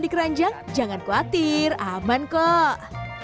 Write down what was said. di keranjang jangan khawatir aman kok